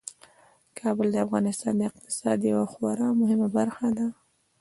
کابل د افغانستان د اقتصاد یوه خورا مهمه برخه ده.